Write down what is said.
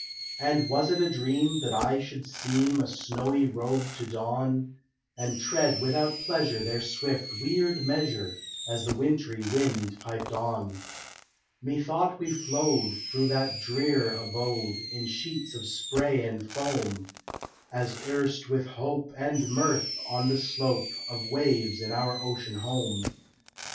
And was it a dream that I should seem A snowy robe to don, And tread without pleasure their swift, weird measure, As the wintry wind piped on. Methought we flowed through that drear abode In sheets of spray and foam, As erst with hope and mirth on the slope Of waves in our ocean home.